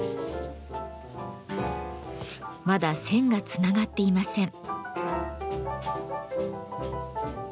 まだ線がつながっていません。